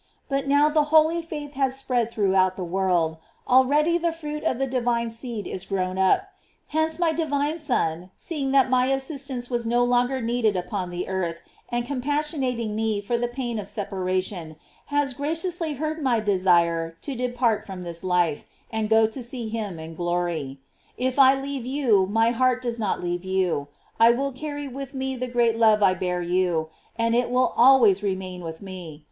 But now the holy faith is spread throughout the world, already the fruit of the divine seed is grown up; hence my divine Son, seeing that my assistance was no longer needed upon the earth, and compassion ating me for the pain of separation, has gracious ly heard my desire to depart from this life, and go to see him in glory. If I leave you, my heart does not leave you; I will carry with me the great love I bear you, and it shall always remain with me.